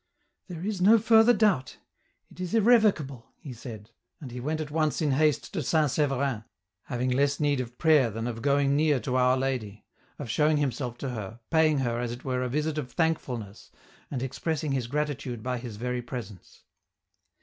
" There is no further doubt ; it is irrevocable," he said, and he went at once in haste to St. Sever in, having less need of prayer than of going near to Our Lady ; of showing himself to her, paying her, as it were, a visit of thankfulness, and expressing his gratitude by his very presence.